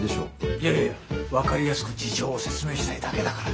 いやいや分かりやすく事情を説明したいだけだから。